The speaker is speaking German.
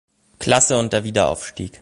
Klasse und der Wiederaufstieg.